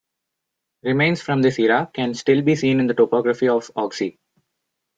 Remains from this era can still be seen in the topography of Oxie.